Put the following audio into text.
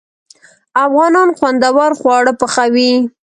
افغانان خوندور خواړه پخوي.